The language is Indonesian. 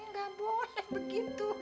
nggak boleh begitu